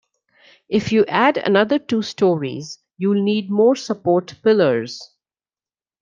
If you add another two storeys, you'll need more support pillars.